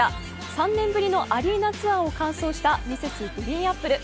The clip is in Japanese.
３年ぶりのアリーナツアーを完走したＭｒｓ．ＧＲＥＥＮＡＰＰＬＥ。